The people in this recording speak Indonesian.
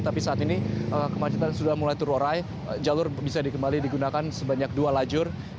tapi saat ini kemacetan sudah mulai terorai jalur bisa dikembali digunakan sebanyak dua lajur